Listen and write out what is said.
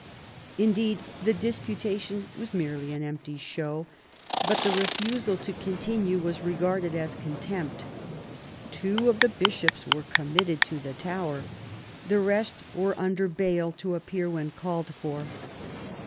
Indeed the disputation was 52 QUEEN ELIZABETH, merely an empty show ; but the* refusal to continue was regarded as contempt. Two of the Bishops were committed to the Tower ; the rest were under bail to appear when called for.